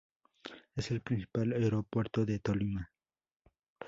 Es el principal aeropuerto de Tolima.